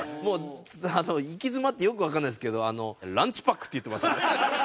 行き詰まってよくわかんないんですけど「ランチパック」って言ってました。